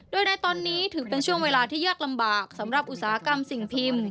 โดยในตอนนี้ถือเป็นช่วงเวลาที่ยากลำบากสำหรับอุตสาหกรรมสิ่งพิมพ์